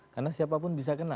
karena siapapun bisa kena